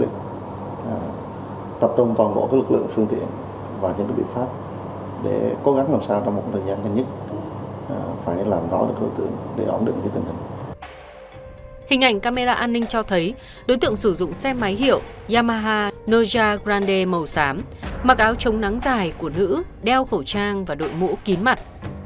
hình ảnh camera an ninh cho thấy đối tượng sử dụng xe máy hiệu yamaha noja grande màu xám mặc áo chống nắng dài của nữ đeo khẩu trang và đội mũ kín mặt